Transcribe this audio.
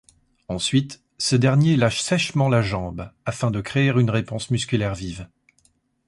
Ensuite, ce denier lâche sèchement la jambe afin de créer une réponse musculaire vive.